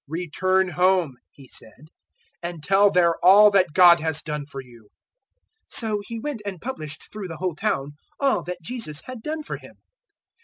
008:039 "Return home," He said, "and tell there all that God has done for you." So he went and published through the whole town all that Jesus had done for him.